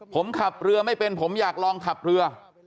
ผมขับเรือไม่เป็นผมอยากลองขับเรือ